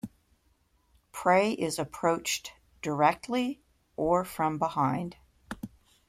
Prey is approached directly or from behind.